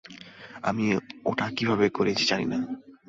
আমি ওটা কীভাবে করেছি জানি না।